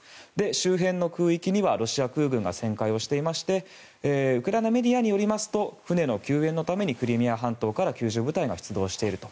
周辺の空域にはロシア空軍が旋回していましてウクライナメディアによりますと船の救援のためにクリミア半島から救助部隊が出動していると。